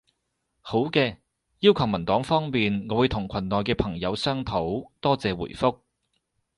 好嘅，要求文檔方面，我會同群內嘅朋友商討。多謝回覆